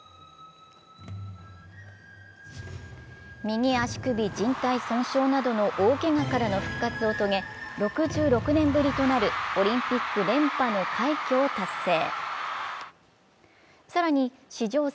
右足首じん帯損傷などの大けがからの復活を遂げ６６年ぶりとなるオリンピック連覇の快挙を達成。